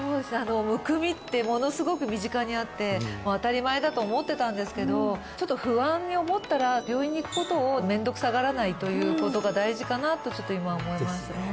むくみってものすごく身近にあって当たり前だと思ってたんですけどちょっと不安に思ったら病院に行くことを面倒くさがらないということが大事かなとちょっと今思います